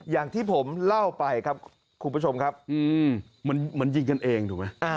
อย่างที่ผมเล่าไปครับคุณผู้ชมครับเหมือนยิงกันเองถูกไหม